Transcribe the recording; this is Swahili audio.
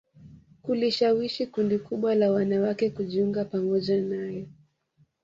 kulishawishi kundi kubwa la wanawake kujiunga pamoja naye